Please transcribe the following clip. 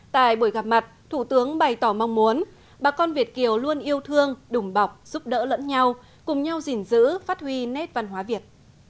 tại buổi gặp mặt thủ tướng bày tỏ mong muốn bà con việt kiều luôn yêu thương đùng bọc giúp đỡ lẫn nhau cùng nhau gìn giữ phát huy nét văn hóa việt